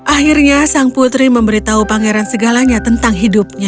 akhirnya sang putri memberitahu pangeran segalanya tentang hidupnya